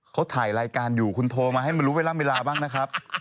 เขาถ่ายรายการอยู่คุณโทรมาให้มันรู้เวลาบ้างนะครับ